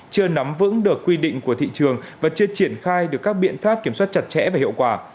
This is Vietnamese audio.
chưa nắm vững được quy định của thị trường và chưa triển khai được các biện pháp kiểm soát chặt chẽ và hiệu quả